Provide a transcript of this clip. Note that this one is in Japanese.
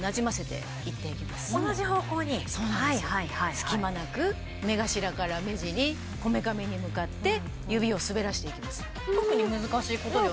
隙間なく目頭から目尻こめかみに向かって指を滑らしていきます。